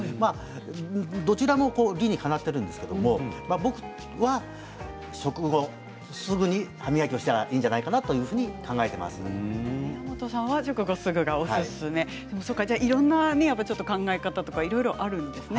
どちらも理にかなっているんですけれど僕は食後すぐに歯磨きをしたらいいんじゃないか宮本さんは食後すぐがおすすめなんですね。